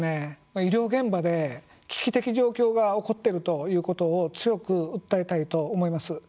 医療現場で危機的状況が起こっているということを強く訴えたいと思います。